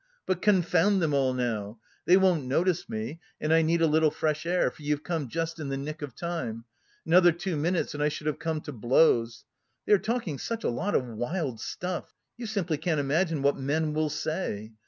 But confound them all now! They won't notice me, and I need a little fresh air, for you've come just in the nick of time another two minutes and I should have come to blows! They are talking such a lot of wild stuff... you simply can't imagine what men will say!